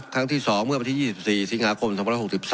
ครั้งที่๒เมื่อวันที่๒๔สิงหาคม๒๐๖๓